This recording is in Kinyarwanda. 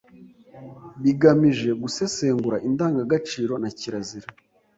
bigamije gusesengura indangagaciro na kirazira